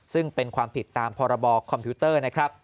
ซึ่งเป็นความผิดตามพรบคอมพิวเตอร์นะครับ